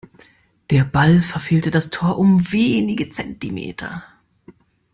Der Ball verfehlte das Tor um wenige Zentimeter.